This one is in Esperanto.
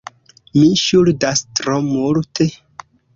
Mi ŝuldas tro multe,...